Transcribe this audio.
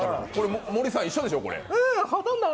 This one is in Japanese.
森さん、一緒でしょ？